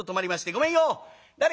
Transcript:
ごめんよ」。